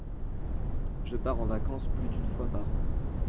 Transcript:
Je pars en vacances plus d’une fois par an.